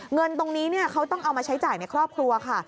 เงินตรงนี้เขาต้องเอามาใช้จ่ายในครอบครัวค่ะ